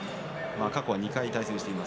過去２回対戦しています。